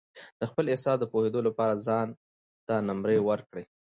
د خپل احساس د پوهېدو لپاره ځان ته نمرې ورکړئ.